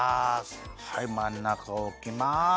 はいまんなかおきます！